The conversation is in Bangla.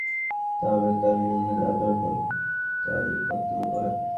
বিভিন্ন পেশার বন্ধু-বান্ধব আমাদের দাবির পক্ষে-বিপক্ষে নানান ধরনের অনেক মন্তব্য করেন।